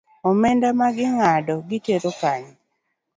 Omenda maging’ado gitero kanye?